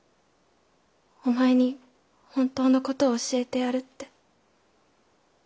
「お前に本当の事を教えてやる」って。